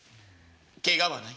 けがはない？